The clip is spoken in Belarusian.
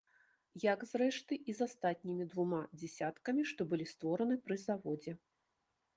Як, зрэшты, і з астатнімі двума дзясяткамі, што былі створаны пры заводзе.